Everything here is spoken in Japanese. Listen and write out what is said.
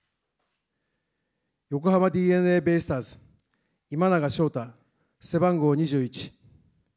横浜ＤｅＮＡベイスターズ、今永昇太、背番号２１。